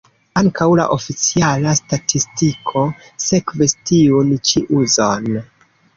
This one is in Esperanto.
Ankaŭ la oficiala statistiko sekvis tiun ĉi uzon.